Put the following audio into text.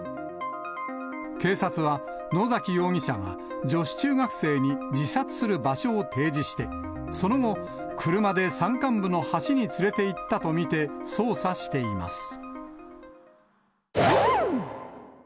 警察は、野崎容疑者が女子中学生に自殺する場所を提示して、その後、車で山間部の橋に連れていったと見て捜査しています。